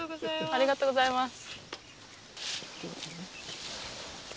ありがとうございます。